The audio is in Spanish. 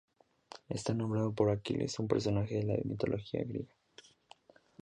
Está nombrado por Aquiles, un personaje de la mitología griega.